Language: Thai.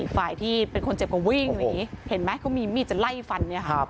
ฝ่ายที่เป็นคนเจ็บกว่าวิ่งเห็นไหมเขามีมีดจะไล่ฟัน